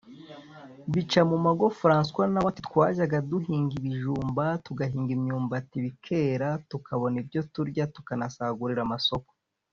Bicamumago François nawe ati “Twajyaga duhinga ibijumba tugahinga imyumbati bikera dukabona ibyo turya tukanasagurira amasoko